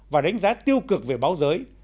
và đánh giá tiêu cực về báo giới